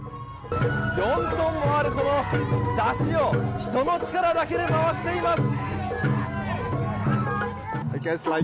４トンもあるこの山車を人の力だけで回しています。